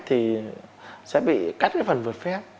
thì sẽ bị cắt cái phần vượt phép